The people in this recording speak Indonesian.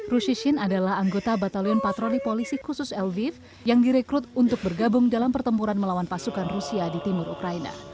rushishin adalah anggota batalion patroli polisi khusus lviv yang direkrut untuk bergabung dalam pertempuran melawan pasukan rusia di timur ukraina